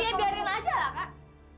ya biarin aja lah kak